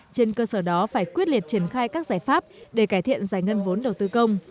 trên cơ sở đó phải quyết liệt triển khai các giải pháp để cải thiện giải ngân vốn đầu tư công